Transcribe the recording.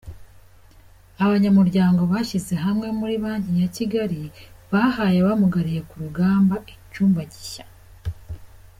Abanyamuryango bashyize hamwe muri banke ya Kigali bahaye abamugariye ku rugamba icyuma gisya